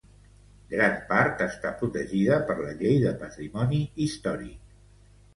Gran part està protegida per la llei de Patrimoni Històric.